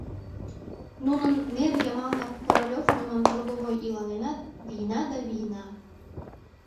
Нунын нер йымалнак Королев лӱман торговой иланенат, вийна да вийна.